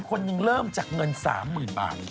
คนหนึ่งเริ่มจากเงิน๓๐๐๐บาท